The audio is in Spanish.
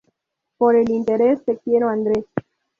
Por el interés, te quiero Andrés